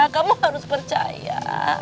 kamu harus percaya